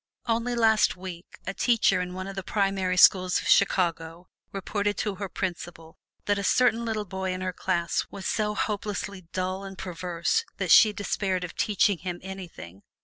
Only last week, a teacher in one of the primary schools of Chicago reported to her principal that a certain little boy in her room was so hopelessly dull and perverse that she despaired of teaching him anything.